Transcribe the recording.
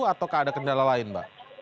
ataukah ada kendala lain mbak